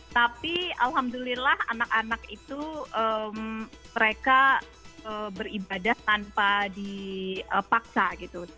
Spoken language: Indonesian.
tapi alhamdulillah anak anak itu mereka beribadah tanpa dipaksa gitu